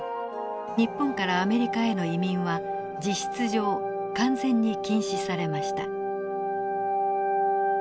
日本からアメリカへの移民は実質上完全に禁止されました。